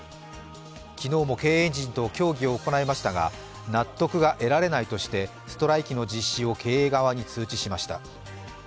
昨日も経営陣と協議を行いましたが、納得が得られないとしてストライキの実施を経営側に通知しました。